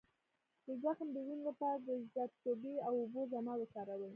د زخم د وینې لپاره د زردچوبې او اوبو ضماد وکاروئ